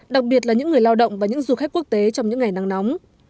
đặc biệt là những người lao động và những du khách quốc tế trong những ngày nắng nóng